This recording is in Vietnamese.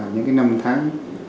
những cái năm tháng